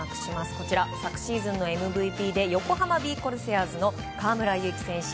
こちら、昨シーズンのＭＶＰで横浜ビー・コルセアーズの河村勇輝選手。